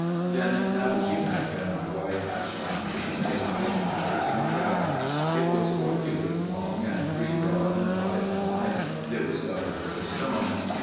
Then Nabushemak and my wife Ashfagni made a hiding place in the ground; it was four cubits long and three broad and five in height, and it was covered with a stone.